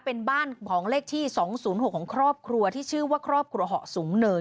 เป็นบ้านของเลขที่๒๐๖ของครอบครัวที่ชื่อว่าครอบครัวเหาะสูงเนิน